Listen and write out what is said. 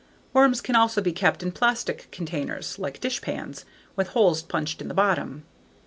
Worms can also be kept in plastic containers (like dish pans) with holes punched in the bottom.